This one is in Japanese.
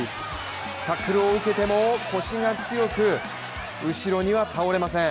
タックルを受けても腰が強く後ろには倒れません。